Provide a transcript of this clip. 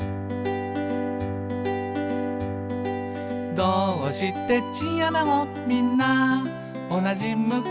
「どーうしてチンアナゴみんなおなじ向き？」